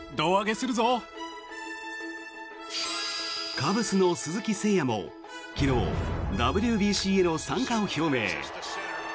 カブスの鈴木誠也も昨日、ＷＢＣへの参加を表明。